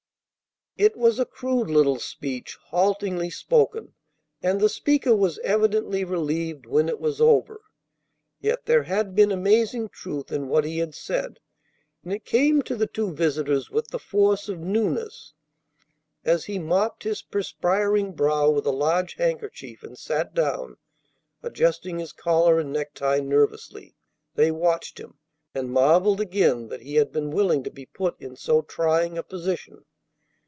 It was a crude little speech, haltingly spoken, and the speaker was evidently relieved when it was over. Yet there had been amazing truth in what he had said, and it came to the two visitors with the force of newness. As he mopped his perspiring brow with a large handkerchief and sat down, adjusting his collar and necktie nervously, they watched him, and marvelled again that he had been willing to be put in so trying a position.